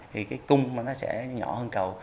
thì cái cung nó sẽ nhỏ hơn cầu